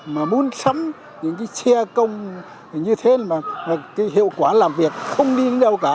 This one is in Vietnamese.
mà muốn sắm những cái xe công như thế mà cái hiệu quả làm việc không đi đến đâu cả